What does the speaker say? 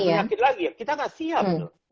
kita tidak siap